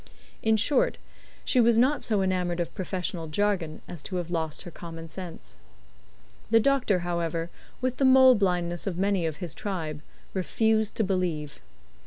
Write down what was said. In short, she was not so enamoured of professional jargon as to have lost her common sense. The doctor, however, with the mole blindness of many of his tribe, refused to believe.